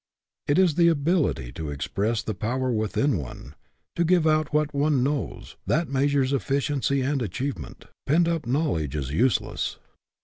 It is the ability to express the power within one, to give out what one knows, that measures efficiency and achievement. Pent up knowledge is useless.